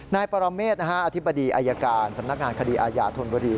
นายปรเมษอธิบดีอายการสำนักงานคดีอาญาธนบุรี